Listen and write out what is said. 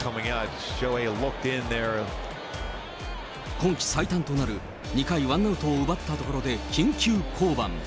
今季最短となる２回ワンアウトを奪ったところで緊急降板。